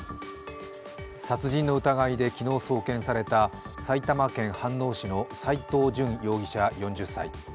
殺人の疑いで昨日送検された埼玉県飯能市の斉藤淳容疑者４０歳。